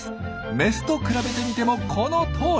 メスと比べてみてもこのとおり。